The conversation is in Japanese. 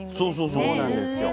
そうなんですよ。